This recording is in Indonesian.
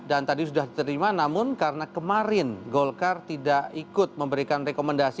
dan tadi sudah diterima namun karena kemarin golkar tidak ikut memberikan rekomendasi